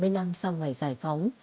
bảy mươi năm năm sau ngày giải phóng